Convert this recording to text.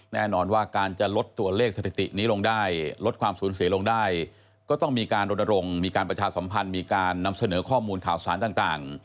แน่นอนว่าการจะลดตัวเลขสถิตินี้ลงได้ลดความสูญเสียลงได้ก็ต้องมีการรณรงค์มีการประชาสัมพันธ์มีการนำเสนอข้อมูลข่าวสารต่าง